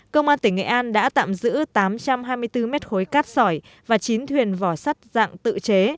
công an tỉnh nghệ an đã tạm giữ tám trăm hai mươi bốn mét khối cát sỏi và chín thuyền vỏ sắt dạng tự chế